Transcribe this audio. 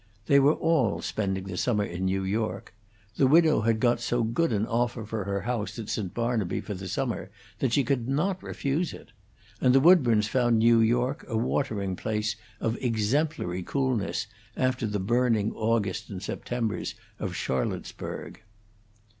They were all spending the summer in New York. The widow had got so good an offer for her house at St. Barnaby for the summer that she could not refuse it; and the Woodburns found New York a watering place of exemplary coolness after the burning Augusts and Septembers of Charlottesburg.